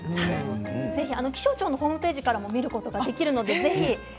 気象庁のホームページからも見ることができますので、ぜひ。